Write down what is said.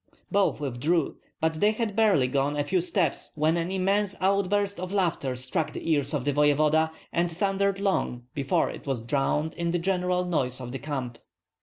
Both withdrew; but they had barely gone a few steps when an immense outburst of laughter struck the ears of the voevoda, and thundered long before it was drowned in the general noise of the camp.